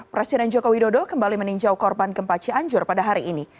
presiden joko widodo kembali meninjau korban gempa cianjur pada hari ini